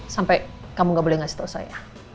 sampai kamu gak boleh ngasih tahu saya